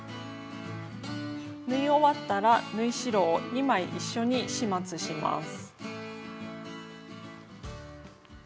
縫い終わったら縫い代を２枚一緒に始末します。